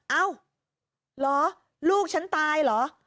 เอ้าล๋อลูกชั้นตายเหรอ